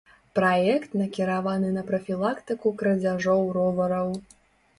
Праект накіраваны на прафілактыку крадзяжоў ровараў.